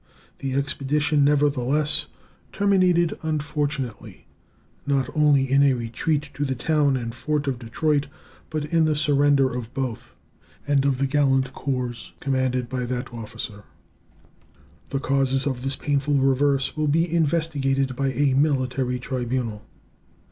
The expedition, nevertheless, terminated unfortunately, not only in a retreat to the town and fort of Detroit, but in the surrender of both and of the gallant corps commanded by that officer. The causes of this painful reverse will be investigated by a military tribunal.